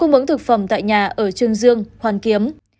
phòng tại nhà ở trương dương hoàn kiếm